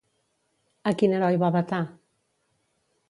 A quin heroi va vetar?